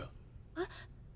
えっ？